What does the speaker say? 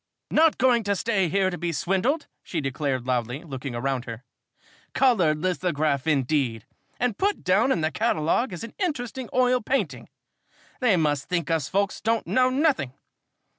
"Not going to stay here to be swindled!" she declared loudly, looking around her. "Colored lithograph, indeed, and put down in the catalogue as an interesting oil painting! They must think us folks don't know nothing.